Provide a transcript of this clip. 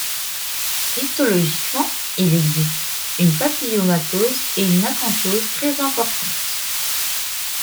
Histologiquement, il existe une papillomatose et une acanthose très importantes.